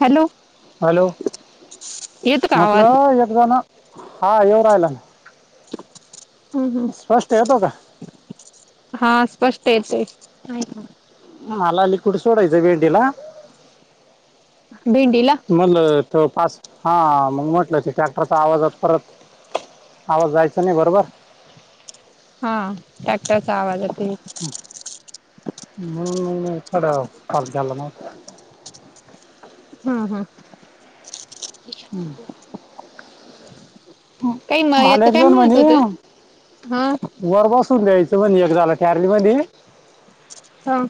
Hello hello येतो का आवाज? म्हटलं एकदाण हा येव राहिला ना टपप हम्म हम् स्पष्ट येतो का हा स्पष्ट स ह मला अली कुड सोडायचं भेंडीला भेंडीला मल त पाच हा मग म्हटलं क ट्रॅक्टरचा आवाज परत आवाज जायचा नाही बरोबर हा ट्रॅक्टरच्या आवाजते सड्या फल ल ना हा हा कचकू मला एक काय जण म्हणत होत म्हणे हा वर बसून जा्यायच त म्हणे एक झाला ठरली म हा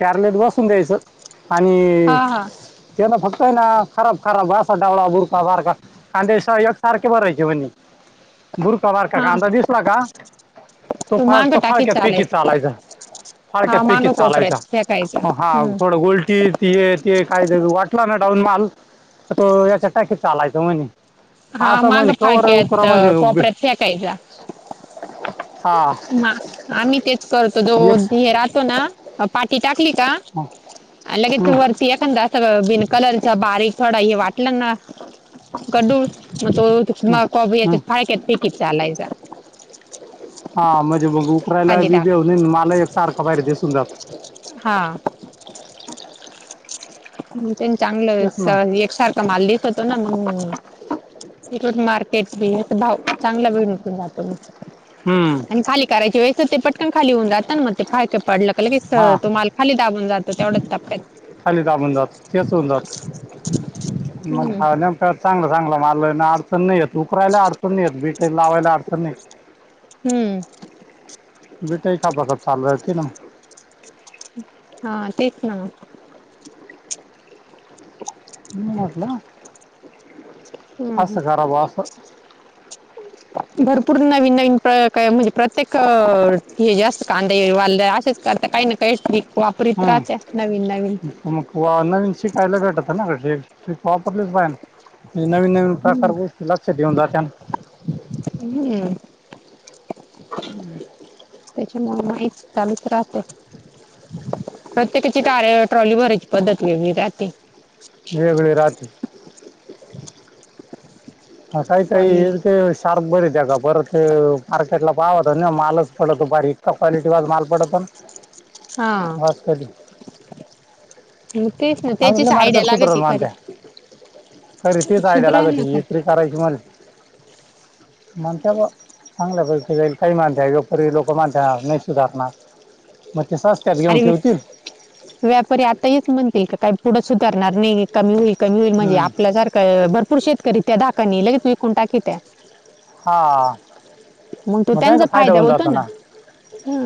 चारले दिवस तगयचं आणि हा हा तेना फक्त आहे ना खराब खराब असा डाळा बुडका सारखा कांदेशयोग सारखे बरं आहे जवनी बुरका बारका हा कांदा दिसला का तो तू मांग फाळक् टाकीत फाळक्या फेकीत चालायचा फारक्या हा फेकीत मांग चालायचा कोपऱ्यात फेकायचा. हा हम्म. थोडं गलटी ती त काही वाटला ना डाऊन माल आ तो याच्या टॅक चालायचं म्हणे हा असं मग म्हणे कवर फाळक्यात उकरा म्हणे बी- कोपऱ्यात फेकायचा हा ह आम्ही तेच करतो जो एक हे राहतो ना पाठी टाकली का हं, लगेच हं, वरती एखादा अस बि कलरचा बारीक थोडा हे वाटलं ना गडू मग तो हं, मग हं. कोबीच्या फाळकेत फेकीत चालायच. हा म्हणजे मग उकरायला बी बेऊन माला एक सारखा बाहेर दिसून जात हम् तेच ना चांगलं एकसारखा माल दिसतो ना मग सट मार्क तेच भाव चांगला वेळ निघून जातो म हम्म आणि खाली करायची वेळेस ते पटकन खाली होऊन राहात ना मग ते हा का पडलं क हा कि तो माल खाली दाबून जातो तेवढंच तापयच, खाली दाबून जात तेच होऊन जात मग हम् हा नेमका चांगला चांगला मारलं ना नाही उपरायला अडचण नाही येते ती ते लावायला अडचण नाही ये हम्म बेट कापसाप चाललतील ना हा तेच ना मरलं ह भरपूर नवीन म्हणजे प्रत्येक हे जास्त कांदा वालद असशेच करता काही ना काही वापरीत राहत्या नवीन नवीन हम्म मग वाह नवीन शिकायला भेटत ना काे ह वापरलीच पाहि म्हज नवीन नवीन हम्म प्रकार गोष्टी लक्ष ठेऊन जाते. हम् [unintelligible] चालच रात प्रतेकची ट ट्रॉली भरची पद्धत वेगली राते वेगळी राते. ह काही काही ट्रॉली ते शार्क बर त्या का परत मार्केटला पावत मालच पडतो बारी इतका क्वालिटी वा माल पडतो हा वाज कधी म तेच ना त्याची अजून साईड मार्केट सुधरल लागती खरी मानत्या तरी तीच आयडिया [unintelligible] [unintelligible] चांगल्या पैकी जाईल काही माणस योपरी लोक माणसणार नाही सुधारणार मग ते सस्त्यात घेऊन अरे ठेवतील व्यापारी आता हेच म्हणतील का काय थोडं सुधारणार नाही कमी होईल कमी होईल म्हणजे हम्म आपल्या सारखं भरपूर शेतकरी त्या धाक कनी लगेच विकून टाकीत्या हा म त्यांचा फायदा होऊन जातो ना ह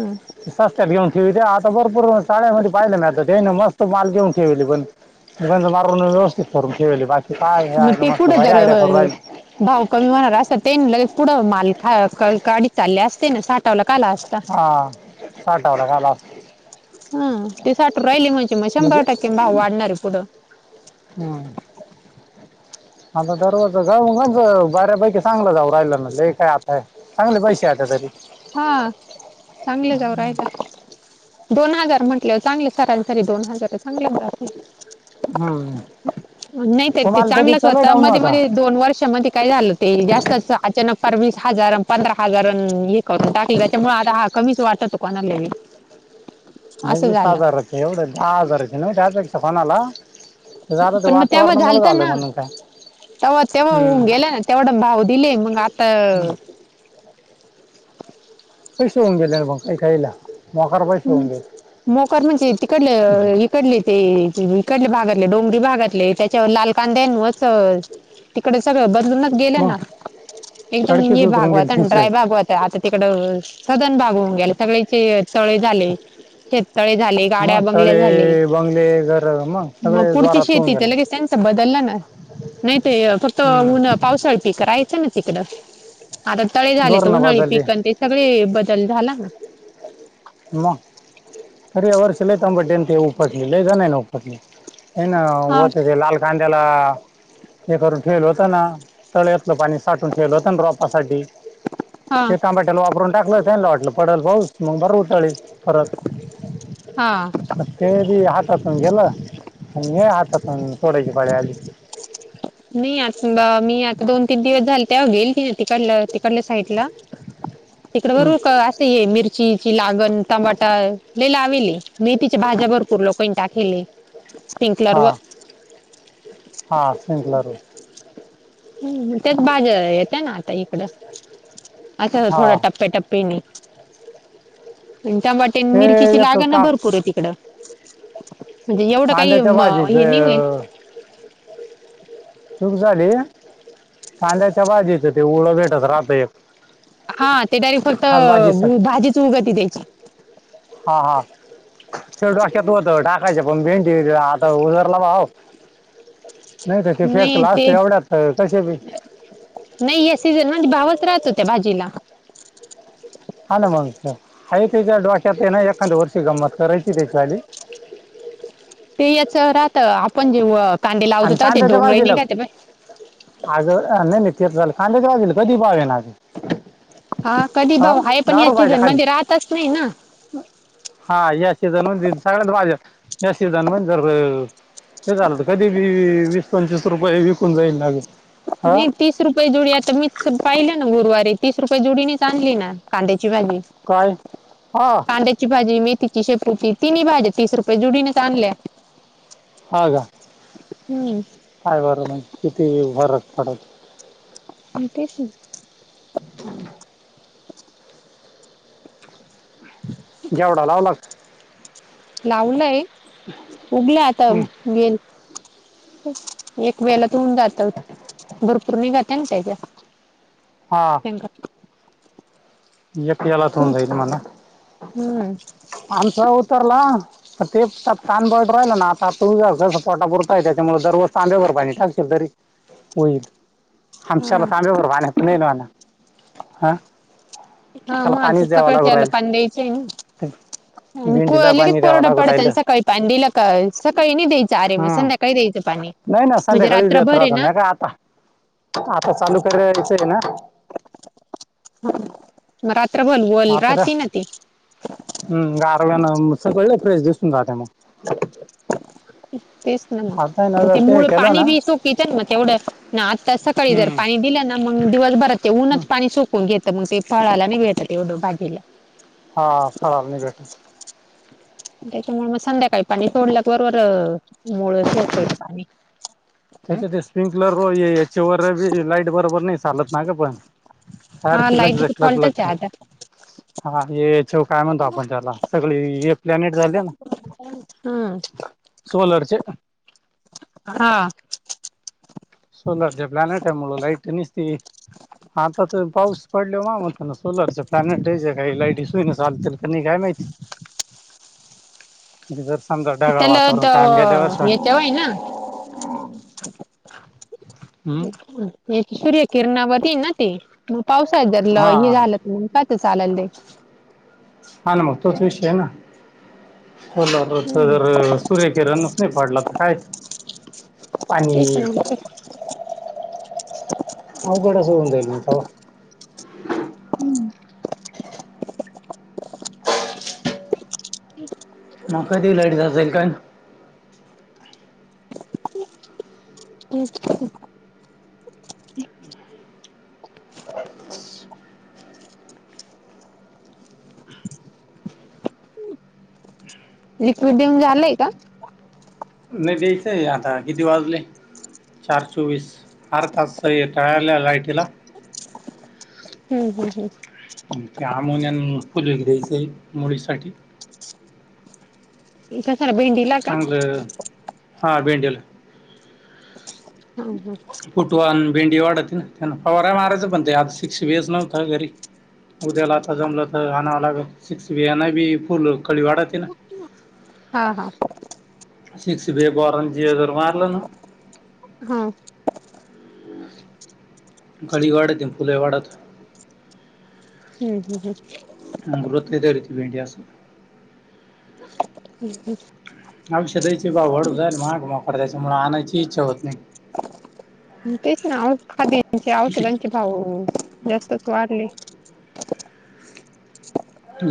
सस्त घिऊन आता भरपूर शाळेमध्ये पाहिलं ना त ते ता मस्त माल घेऊन ठेवीली पण त्यांच मारून व्यवस्थित करून ठेवीली मग ते कुठं जर भाव कमी होणार असल तेन ल पुढं माल गडीत चालली असते ना साठ हा साठवला झाला ह ते साठू राहिली म्हणजे मग शंभर टक्के भाव वाढणारे पुढं हम्म. आता दरवाजच बऱ्यापैकी चांगलं जाऊ राहिलं ना काय आताय चांगले पैसे येता तरी हा चांगले जाऊ राहिले दोन हजार म्हटल्यावर चांगले सरासरी दोन हजार चांगले कराल हम्म. नाही तर ते तुम्हाला तरी चांगलंच चला होत डाऊन मध्ये आता मध्ये दोन वर्षा मध्ये काय झालं ते जास्त अचानक वीस हजार पंधरा हजार आणि एक करून टाकल त्याच्यामुळे आता हा कमीच वाटतो. नाही असं वीस झालं हजाराची एवढं दहा हजाराची नाही काढ कोणाला ते झालं ते पण मग तेव्हा वातावरणामुळे झालत झालं ना म्हणून काय तेव्हा तेव्हा होऊन हम्म. गेलं ना तेवढ भाव दिले मंग आता पैसे होऊन गेले ना भाऊ काय खायला हम्म मोकार म्हणजे तिकडले इकडले ते तिकडले भागातले डोंगरी भागातले त्याच्यावर लाल कांदे तिकड सगळं ब अजून गेलं मग ना एकदम कडकीच हे उतरून भाग गेली होता त्यांच्या ड्राय भाग होता आता तिकड सदन भाग हो गेला सगळ्यांचे तळे झाले शेततळे झाले गाड्या मग बंगले झाले तळे बंगले घर मग सगळे पुढची जोरात होऊन शेती तर गेले लगेच त्यांच बदललं ना नाही ते फक्त ऊन हम्म पावसाळ पीक राहायचं ना तिकडं आता तळे झाले त धोरणं उन्हाळी बदलली पिक अन ते सगळे बदल झाला ना. म, तरी या वर्षी लय [unintelligible] [unintelligible] हा लाल. कांद्याला, हे करून ठेवलं होतं ना, तळ्यातलं पाणी साठून ठेवलं होतं ना रोपासाठी हा ते टामॅटोला वापरून टाकलं त्यांना व पडल पाऊस मग भरू. तळीस फरक. हा ते जे हा हातून गेलं आणि हातातून फोडायची पाळी आली. न [unintelligible] मी आता दोन तीन दिवस झाले [unintelligible] तिकडलं तिकडल्या साईडला तिकडे बर हम्म. रोक असे मिर चीची लागण टमाटा, लई लावेल ये मेथीच्या भाज्या भरपूर लोकांनी टाकेलये. हा हा. भरू. हम्म हम्म, तेच भाज्या येत्या ना आता इकड. आता थोडं हा टप्प्याटप्पयांनी आणि टमाटे अन् ते मिरचीची एक लागण अ का भरपूर आहे तिकडं. म्हणजे एवढं काही कांद्याच्या म भाजीचं हे नाही होईल चूक झाली वय, कांद्याच्या भाजीच ते वोळं भेटत राहतंय. हा, ते काय फक्त भाजीच उगती त्याची. हां हां. च डोक्यात होत टाकायच्या [unintelligible] हो [unintelligible] भाव. नाही तर ते नई फेकलं ते, असतं एवढ्यात तर कसे बी नई या सीझन म्हणजे भावच राहत. त्या भाजीला. हा ना मग आहे त्याच्या डोक्यात ना एखाद्या वर्षी गंमत करायची त्याची आली ते याच राहत आपण जेव आणि कांद्याच्या भाजीला, आ ग नई नई. [unintelligible] कांद्याच्या भाजीला कधी भाव येणार? हा कधी ह भाव आहे पण या दारू पाहिजे सीझन खाली, मध्ये राहतच नाही ना हा या सिझन मध्ये सगळ्याच भाज्या या सीझन म्हण जर, हे झालं तर कधी बी वीस पंचवीस रुपये विकून जाईल [unintelligible] मी तीस रुपये जोडी मीच पाहिलं गुरुवारी तीस रुपये जोडी नेच आणली ना कांद्या ची भाजी, काय हा कांद्याची भाजी, मेथीची, शेपूची तिन्ही भाजी तीस रुपये जुडीने च आणल्या. हा का? हम्म काय बर नाही किती फरत पडत न तेचं ना. [inaudible] घेवडा लावला का? लावय उघल आता हं. गेल एक वेलात होऊन जात भरपूर निघत ना त्याच्यात. शेंगा. ऐक येलात होऊन जाईल म्हणा. हम्म आमचा तरला, ते तांबरट राहिलं ना आता आपूनचा व्यवसाय पोटापुरता आहे त्याच्यामुळे दररोज तांब्याभर पाणी टाकशील तरी होईल. आमच्याला हा तांब्याभर पाण्यात तर नाही ना होणार. हा. हा त्याला मग पाणीच द्यावं लागू सकाळला राहिलं पाणी द्यायचंय ते ना भेंडीला लगेच पाणी द्यावं कोरडा लागू पडत आणि राहिलं सकाळी पाणी दिलं का सकाळी नाही द्यायचं अरे मग हम्म संध्याकाळी द्यायचं पाणी नाही ना म्हणजे संध्याकाळी देत रात्रभर आहे राहतो ना नाही का आता रीन ना. म रा आता का हम् गारव्याना सगळ फ्रेश दिसून राहत मग. ह तेच ना आहे ना मग ते जर मुळ केलं पाणी ना बी सुकित ना मग तेवढं ना आता सकाळी जर हम्म पाणी दिलं ना मग दिवस बरात ते ऊनच पाणी सुकवून घेत तर मग ते फळाला नाही भेटात एवढं बाजीला हा फल नाही बेठी त्याच्यामुळे मग संध्याकाळी पाणी सोडल्या बरोबर मुळ सोडत येत पाणी त्याच ते स्प्रंकलर वचओ वरी लाईट बरोबर नाही चालत ना का पण हा सारखी लग लाईटीच झटल फॉल्टच लग आहे आता हाेव काय म्हणतो आपण त्याला सगळी हे प्लॅनेट झाली ना हम्म सोलरचे हा सोलरच्या प्लॅनेट आहे मुळ लाईट निसती आता तर पाऊस पडले म मग ना सोलरच प्लॅनेट या काही लाईटसईन चालते क नाही काय माहिती गिझर त्याला त हेचवाय ना हम्म ह सूर्य किरणावरधी ना ते पावसा जरलं हा हे झालं तर म्ह का चालल दे हा न मग तोच विषय आहे ना कोला हम्म जर सूर्य किरणच नाही पाडला तर काय तेच पाणी ना अवघडच होऊन जाईल का ह म का ती लडीत असाल काय अ लिक्विड देऊन झालंय का नाही द्यायचंय आता किती वाजले चार चोवीस हार तास टळाल्या लायटीला हम्म हम्म हम् हमोनियन फजे घ्यायचे मुळीसाठी इ सर भेंडीला का चांगलं हा भिंडल हा हा फुटवान भेंडी वाढत त्यां पवार आहे महारायच पण ते आता सिक्स बीच नव्हत घरी उद्याला आता जमलं तर आणावं लाग सिक्स बिना बी फुल कळी वाढत ना हा हा शिक्ष दे गरंजी तरर् मारला ना हा गळी वाढते फुले वाढत हम् हम् ह अ गृती वेटी अस अस हम् ह आयुष्य द्यायचे बा वड जाल महाग मफ दयच मु आणायची इच्छा होत नाही तेच ना ओ खाद्याच्या औषधांचे किती भाव जास्तच वाढले [unintelligible]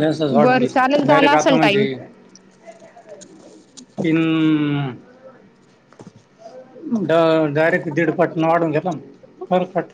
जास् वाडून बरं घ चालेल डारे झाला आता असेल म्हणजे टाइम. किन [unintelligible] डायरेक्ट दीड पट वाढून घेतला करपट